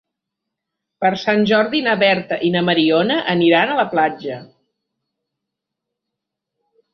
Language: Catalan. Per Sant Jordi na Berta i na Mariona aniran a la platja.